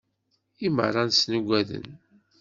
I meṛṛa-nsen ugaden.